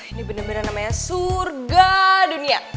ini benar benar namanya surga dunia